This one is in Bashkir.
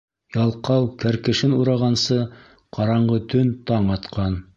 Ялҡау кәркешен урағансы, ҡараңғы төн таң атҡан.